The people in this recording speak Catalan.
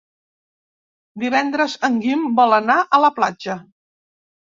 Divendres en Guim vol anar a la platja.